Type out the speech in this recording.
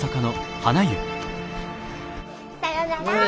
さよなら。